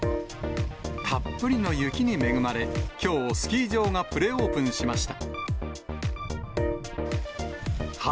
たっぷりの雪に恵まれ、きょう、スキー場がプレオープンしました。